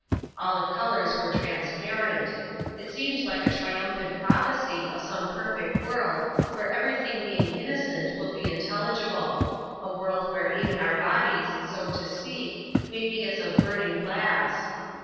All the colours were transparent. It seemed like a triumphant prophecy of some perfect world where everything being innocent will be intelligible; a world where even our bodies, so to speak, may be as of burning glass.